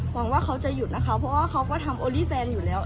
ว่าเขาจะหยุดนะคะเพราะว่าเขาก็ทำโอลี่แซนอยู่แล้ว